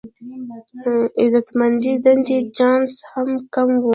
د عزتمندې دندې چانس هم کم و.